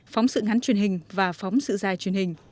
phóng sự ngắn truyền hình và phóng sự dài truyền hình